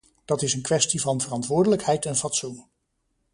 Dat is een kwestie van verantwoordelijkheid en fatsoen.